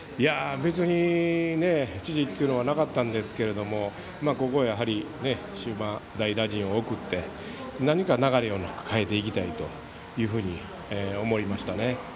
別に指示というのはなかったんですけどもここはやはり終盤代打陣を送って何か流れを変えていきたいと思いましたね。